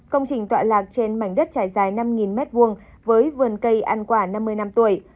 công trình tọa lạc trên mảnh đất trải dài năm m hai với vườn cây ăn quả năm mươi năm tuổi